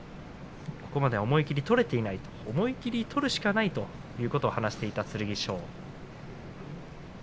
ここまでは思い切り取れていない思い切り取るしかないと話していた剣翔です。